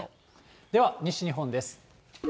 では西日本です。